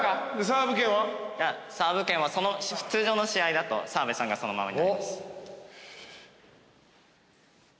サーブ権は通常の試合だと澤部さんがそのままになります。